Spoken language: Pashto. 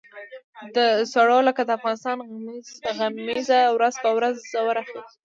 د سړو لکه د افغانستان غمیزه ورځ په ورځ زور اخیست.